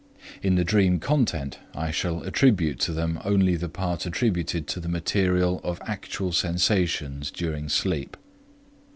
In the dream content I shall attribute to them only the part attributed to the material of actual sensations during sleep.